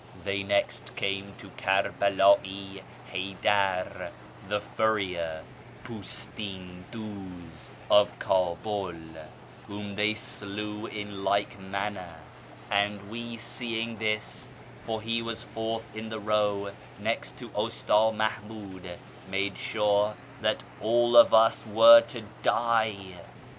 " They next came to Kerbela'i Ilaydar, the furrier (jnlsHn cluz), of Kabul, whom they slew in like manner; and we, seeing this (for he was fourth in the row, next to Usta Mahmiid), made sure that all of us were to die.